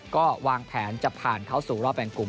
ก็วางแผนจะผ่านเข้าสู่รอบแบ่งกลุ่ม